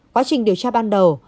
quá trình điều tra ban đầu